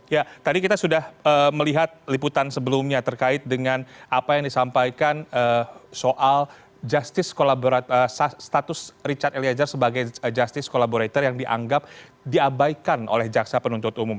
ya tadi kita sudah melihat liputan sebelumnya terkait dengan apa yang disampaikan soal status richard eliezer sebagai justice collaborator yang dianggap diabaikan oleh jaksa penuntut umum